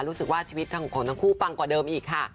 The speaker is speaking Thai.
รู้สึกว่าชีวิตของทั้งคู่ปังกว่าเดิมอีกค่ะ